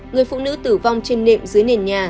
người phụ nữ tử vong trên nệm dưới nền nhà